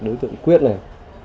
đối tượng quyết này